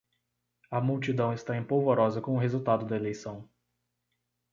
A multidão está em polvorosa com o resultado da eleição